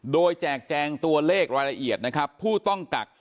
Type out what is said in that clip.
โดยแจกแจงตัวเลขรายละเอียดนะครับผู้ต้องกัก